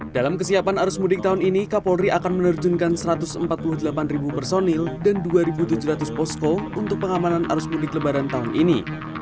dalam kesiapan arus mudik tahun ini kapolri akan menerjunkan satu ratus empat puluh delapan personil dan dua tujuh ratus posko untuk pengamanan arus mudik lebaran tahun ini